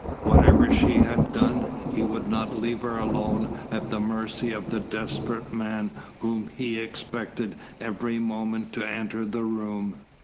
Whatever she had done, he would not leave her alone at the mercy of the desperate man whom he expected every moment to enter the room.